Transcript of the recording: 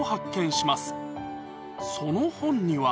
その本には